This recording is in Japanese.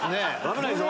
危ないぞ！